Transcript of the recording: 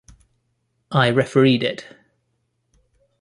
I refereed it.